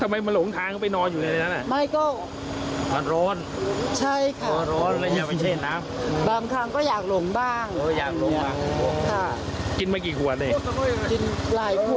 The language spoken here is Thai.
มีชื่ออยู่